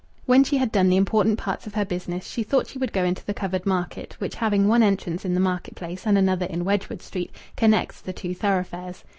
When she had done the important parts of her business, she thought she would go into the covered market, which, having one entrance in the market place and another in Wedgwood Street, connects the two thoroughfares.